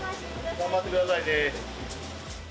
頑張ってくださいね。